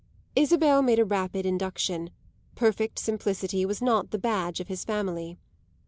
Isabel made a rapid induction: perfect simplicity was not the badge of his family.